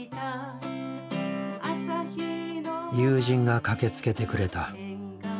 友人が駆けつけてくれた。